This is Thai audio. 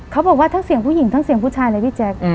เขาบอกว่าทั้งเสียงผู้หญิงทั้งเสียงผู้ชายเลยพี่แจ๊ค